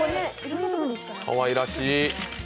かわいらしい。